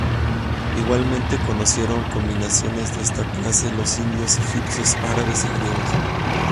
Igualmente conocieron combinaciones de esta clase los indios, egipcios, árabes y griegos.